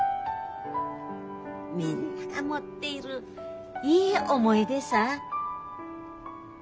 みんなが持っているいい思い出さぁ。